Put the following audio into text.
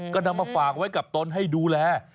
ก็นำมาฝากไว้กับตนให้ดูแล